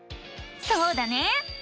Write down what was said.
そうだね！